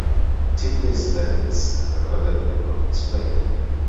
Tibni's death is recorded but not explained.